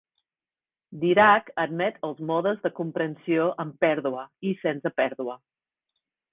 Dirac admet els modes de comprensió amb pèrdua i sense pèrdua.